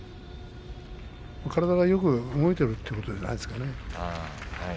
体がよく動いているということじゃないですかね。